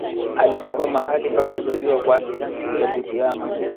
Alizikwa mahali pa kuzaliwa kwake kijiji cha Butiama